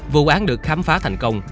vụ án được khám phá thành công